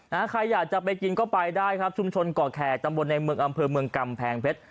ใครอยากจะไปกินก็ไปได้ครับชุมชนก่อแขกตำบลในเมืองอำเภอเมืองกำแพงเพชร